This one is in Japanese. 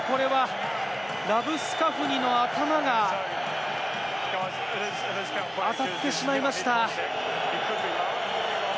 ラブスカフニの頭が当たってしまいました。